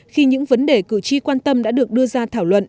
khi những vấn đề cử tri quan tâm đã được đưa ra thảo luận